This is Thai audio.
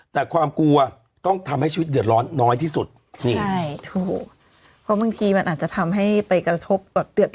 แต่ความกลัวชีวิตเฅียดร้อนต้องเป็นน้อยที่สุด